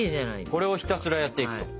これをひたすらやっていくと。